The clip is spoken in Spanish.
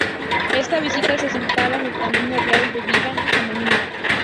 Esta visita se asentaba en el Camino Real de Vigan a Manila.